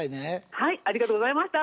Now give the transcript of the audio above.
はいありがとうごさいました。